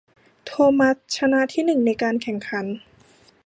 โทมัสชนะที่หนึ่งในการแข่งขัน